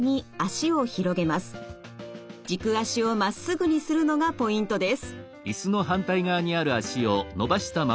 軸足をまっすぐにするのがポイントです。